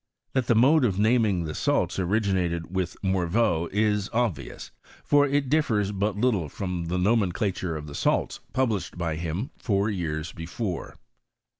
That the mode of naming the salts originated with Mor veau is obvious ; for it differs but little from the nomenclature of the salts published by him four yean before.